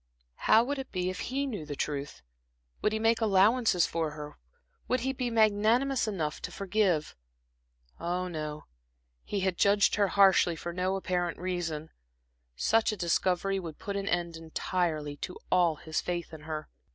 How would it be if he knew the truth? Would he make allowances for her, would he be magnanimous enough to forgive? Ah, no, he had judged her harshly for no apparent reason. Such a discovery would put an end entirely to all his faith in her.